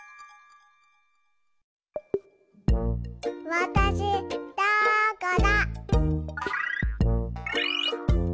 わたしどこだ？